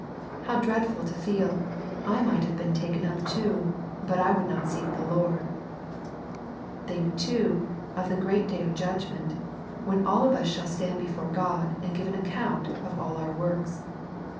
How dreadful to feel, " I might have been taken up too, but I would not seek the Lord !" Think, too, of the great day of judgment; when all of us shall stand before God, and give accoimt of our works.